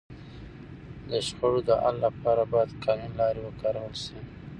د شخړو د حل لپاره باید قانوني لاري وکارول سي.